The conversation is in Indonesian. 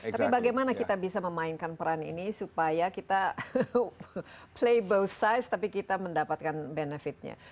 tapi bagaimana kita bisa memainkan peran ini supaya kita playbow size tapi kita mendapatkan benefitnya